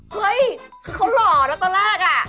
เฮ่ยคือเขาหล่อน่ะตอนแรก